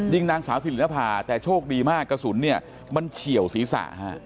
นางสาวสิรินภาแต่โชคดีมากกระสุนเนี่ยมันเฉียวศีรษะฮะ